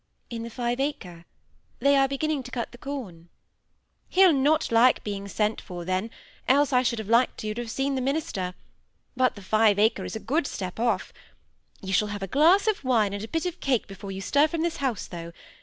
"In the five acre; they are beginning to cut the corn." "He'll not like being sent for, then, else I should have liked you to have seen the minister. But the five acre is a good step off. You shall have a glass of wine and a bit of cake before you stir from this house, though.